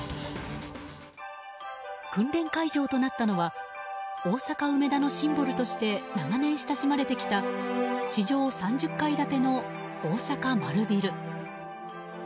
訓練会場となったのは大阪・梅田のシンボルとして長年親しまれてきた地上３０階建ての大阪マルビル。